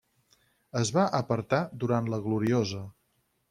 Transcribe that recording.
Es va apartar durant La Gloriosa.